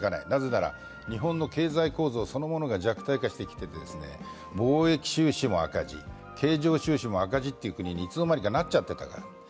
なぜなら日本の経済構造そのものが弱体化してきていて貿易収支も赤字、経常収支も赤字という国にいつの間にかなっちゃってたから。